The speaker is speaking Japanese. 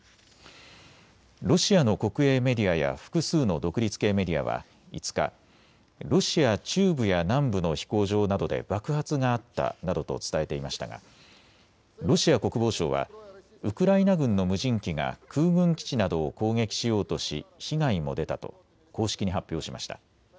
ロシアの国営メディアや複数の独立系メディアは５日、ロシア中部や南部の飛行場などで爆発があったなどと伝えていましたがロシア国防省はウクライナ軍の無人機が空軍基地などを攻撃しようとし被害も出たと公式に発表しました。